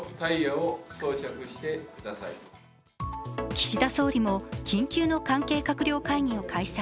岸田総理も緊急の関係閣僚会議を開催。